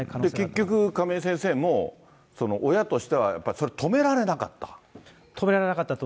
結局、亀井先生も、親としてはやっぱ止められなかったと。